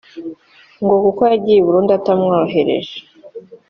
ngo kuko yagiye i Burundi atamwohereje